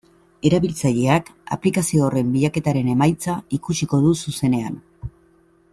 Erabiltzaileak aplikazio horren bilaketaren emaitza ikusiko du zuzenean.